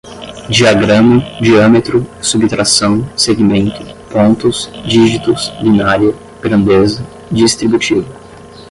diagrama, diâmetro, subtração, segmento, pontos, dígitos, binária, grandeza, distributiva